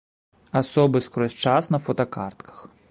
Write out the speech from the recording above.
Асобы скрозь час на фотакартках.